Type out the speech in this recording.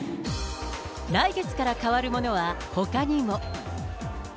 来月から変わるものはほかにも。